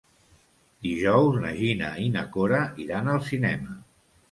Dijous na Gina i na Cora iran al cinema.